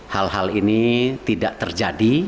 hal hal ini tidak terjadi